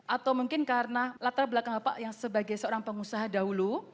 atau mungkin karena latar belakang bapak yang sebagai seorang pengusaha dahulu